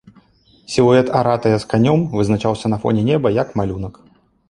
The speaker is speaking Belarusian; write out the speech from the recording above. Сілуэт аратая з канём вызначаўся на фоне неба, як малюнак.